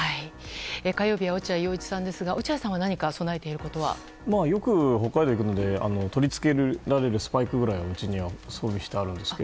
火曜日は落合陽一さんですが落合さんは何かよく北海道に行くので取り付けられるスパイクぐらいはうちにあるんですが。